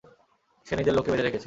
সে নিজের লোককে বেঁধে রেখেছে।